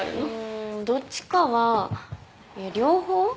んどっちかはえっ両方？